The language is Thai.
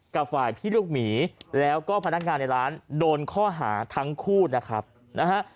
กับฝ่ายพี่ลูกหมีแล้วก็พนักงานในร้านโดนข้อหาทั้งคู่นะครับนะฮะ